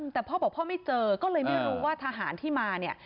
แต่พ่อบอกพ่อไม่เจอก็เลยไม่รู้ว่าทหารที่มาเนี่ย